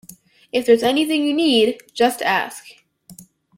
If there's anything you need, just ask